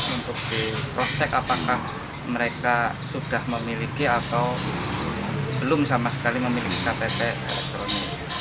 untuk diprosyek apakah mereka sudah memiliki atau belum sama sekali memiliki ktp elektronik